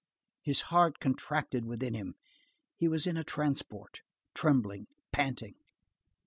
His heart contracted within him. He was in a transport, trembling, panting.